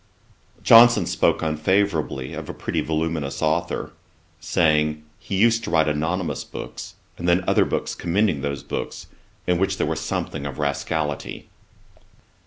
Johnson spoke unfavourably of a certain pretty voluminous authour, saying, 'He used to write anonymous books, and then other books commending those books, in which there was something of rascality.'